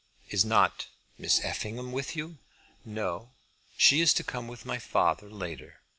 "Is not Miss Effingham with you?" "No; she is to come with my father later.